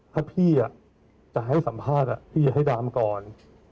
ถ้าพี่จะให้สัมภาษณ์พี่จะให้ดามก่อน